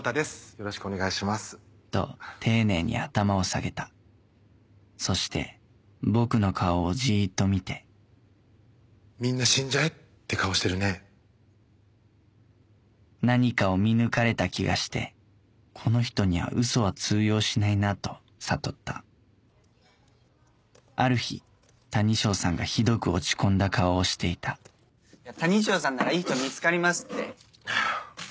よろしくお願いしますと丁寧に頭を下げたそして僕の顔をじっと見て「みんな死んじゃえ」って顔して何かを見抜かれた気がしてこの人にはウソは通用しないなと悟ったある日谷ショーさんがひどく落ち込んだ顔をしていた谷ショーさんならいい人見つかります